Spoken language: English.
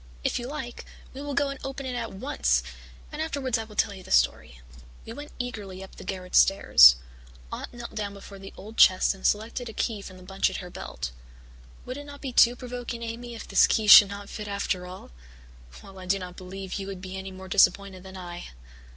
If you like, we will go and open it at once and afterwards I will tell you the story." We went eagerly up the garret stairs. Aunt knelt down before the old chest and selected a key from the bunch at her belt. "Would it not be too provoking, Amy, if this key should not fit after all? Well, I do not believe you would be any more disappointed than I."